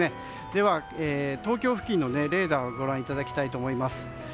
では、東京付近のレーダーをご覧いただきたいと思います。